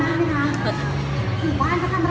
เอาข้างใน